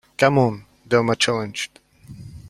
Come on, Del Mar challenged.